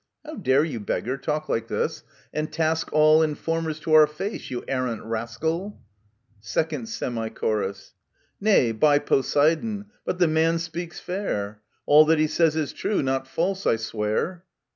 How dare you, beggar, talk like this, and task all Informers to our face, you arrant rascal ? 2nd Semi Chor. Nay, by Poseidon, but the man speaks fair : All that he says is true, not false, I swear